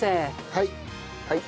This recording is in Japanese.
はい。